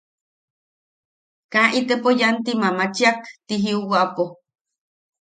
Kaa itepo yanti mamachiak ti jiuwapo.